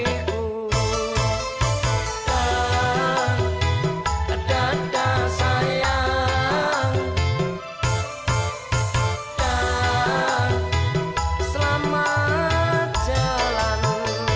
tidak ada pembukaan yang tidak bisa dikira seperti ini